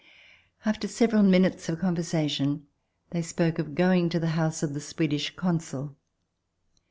After several minutes of conversation, they spoke of going to the house of the Swedish Consul.